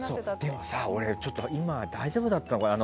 でもさ、俺、大丈夫だったのかな。